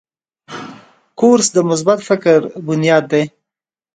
کورس د مثبت فکر بنیاد دی.